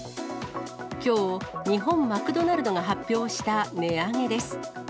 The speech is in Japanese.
きょう、日本マクドナルドが発表した値上げです。